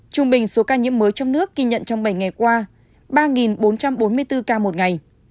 trung bình số ca nhiễm mới trong nước ghi nhận trong bảy ngày qua ba bốn trăm bốn mươi bốn ca một ngày